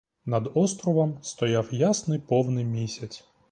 Над островом стояв ясний повний місяць.